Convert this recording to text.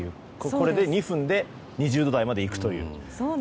これで２分で２０度台まで行くと。